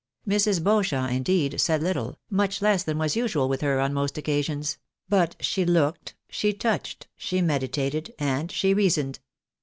Mrs. Beauchamp, indeed, said httle, much less than was usual with her on most occasions ; but she looked, she touched, she medi tated, and she reasoned.